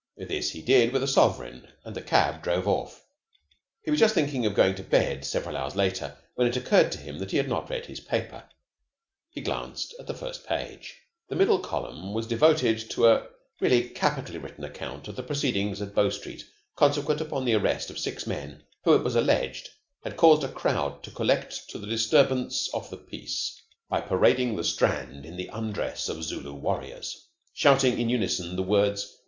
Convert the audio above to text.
This he did with a sovereign, and the cab drove off. He was just thinking of going to bed several hours later, when it occurred to him that he had not read his paper. He glanced at the first page. The middle column was devoted to a really capitally written account of the proceedings at Bow Street consequent upon the arrest of six men who, it was alleged, had caused a crowd to collect to the disturbance of the peace by parading the Strand in the undress of Zulu warriors, shouting in unison the words "Wah!